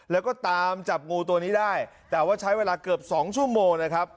แล้วก็ตามจับงูตัวนี้ได้แต่ว่าใช้เวลาเกือบสองชั่วโมงนะครับ